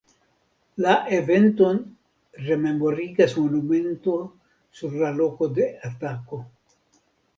La eventon rememorigas monumento sur la loko de atako.